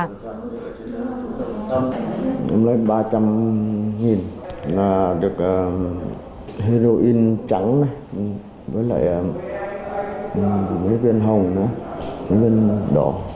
một chiếc ma túy có lợi ba trăm linh đồng được heroin trắng với lại viên hồng viên đỏ